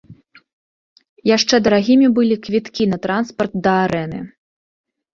Яшчэ дарагімі былі квіткі на транспарт да арэны.